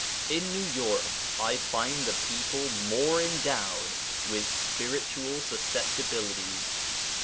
In New York I find the people more endowed with spiritual susceptibilities.